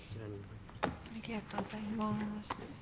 ありがとうございます。